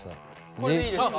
これでいいですか？